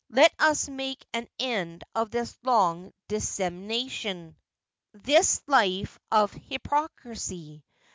Let us make an end of this long dissimulation — this life of hypocrisy.